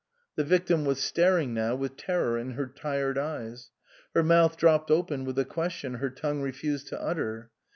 The victim was staring now, with terror in her tired eyes. Her mouth dropped open with the question her tongue refused to utter.